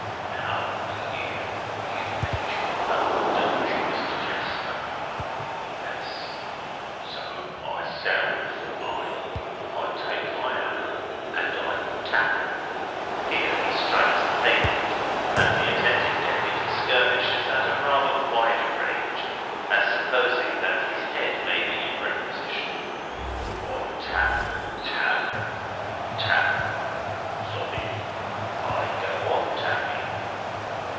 "Now, lookee here. You pitch your note, don't you, Mr. Jasper?" "Yes." "So I sound for mine. I take my hammer, and I tap." (Here he strikes the pavement, and the attentive Deputy skirmishes at a rather wider range, as supposing that his head may be in requisition.) "I tap, tap, tap. Solid! I go on tapping.